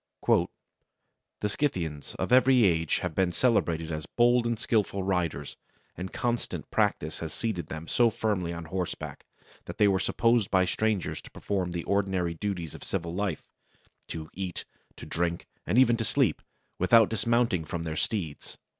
"The Scythians of every age have been celebrated as bold and skilful riders; and constant practice had seated them so firmly on horseback, that they were supposed by strangers to perform the ordinary duties of civil life to eat, to drink, and even to sleep without dismounting from their steeds."